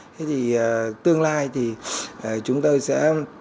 thế thì tương lai thì chúng tôi sẽ